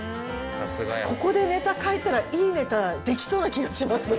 ここでネタ書いたらいいネタできそうな気がします。